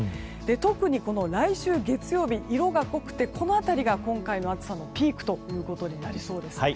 特に来週月曜日、色が濃くてこの辺りが今回の暑さのピークとなりそうです。